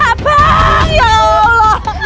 abang ya allah